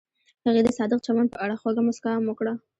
هغې د صادق چمن په اړه خوږه موسکا هم وکړه.